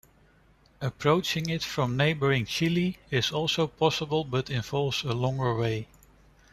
Approaching it from neighboring Chile is also possible but involves a longer way.